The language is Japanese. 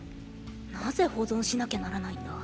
なぜ保存しなきゃならないんだ？